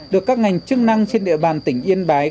được các ngành chức năng trên địa bàn tỉnh yên bái